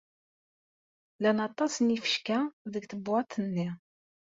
Llan aṭas n yifecka deg tebwaḍt-nni.